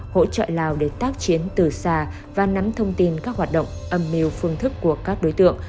hỗ trợ lào để tác chiến từ xa và nắm thông tin các hoạt động âm mưu phương thức của các đối tượng